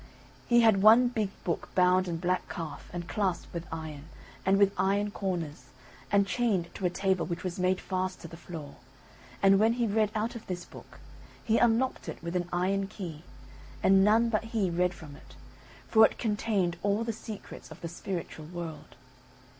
He had one big book bound in black calf and clasped with iron, and with iron corners, and chained to a table which was made fast to the floor; and when he read out of this book, he unlocked it with an iron key, and none but he read from it, for it contained all the secrets of the spiritual world.